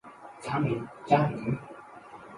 餐饮加盟